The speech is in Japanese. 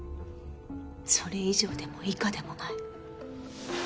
それ以上でも以下でもない。